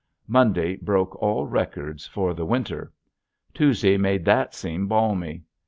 Monday broke all records for the winter. Tuesday made that seem balmy.